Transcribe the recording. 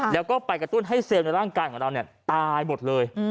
แล้วก็ไปกระตุ้นให้เซลล์ในร่างกายของเราตายหมดเลย